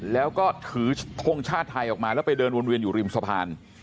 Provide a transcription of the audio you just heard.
แล้วก็ถือทงชาติไทยออกมาแล้วไปเดินวนเวียนอยู่ริมสะพาน